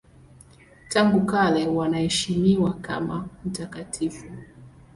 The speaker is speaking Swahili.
Tangu kale wanaheshimiwa kama mtakatifu.